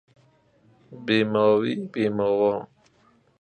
بی ماوی ـ بی ماوا